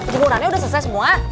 jemurannya udah selesai semua